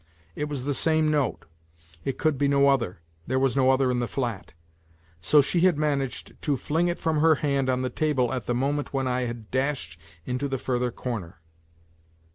It was the same note; it could be no other, there was no other in the flat. So she had managed to fling it from her hand on the table at the moment when I had dashed into the further corner.